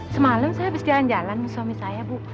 semalam saya habis jalan jalan suami saya bu